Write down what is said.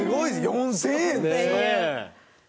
４０００円ですよ？